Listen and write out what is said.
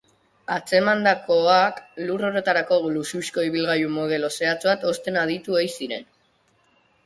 Atzemandakoak lur orotarako luxuzko ibilgailu modelo zehatz bat osten aditu ei ziren.